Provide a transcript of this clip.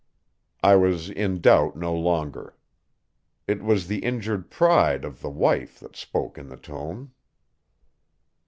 I was in doubt no longer. It was the injured pride of the wife that spoke in the tone.